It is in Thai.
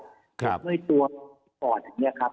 เพราะว่าเพศไม่ตัวปวดอย่างนี้ครับ